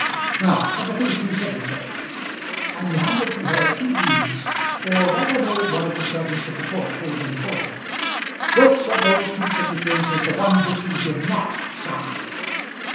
Now look at these two signatures;" and he handed to her two deeds, or rather made one of the servants of the court hold them for him; "which of those signatures is the one which you did not sign?"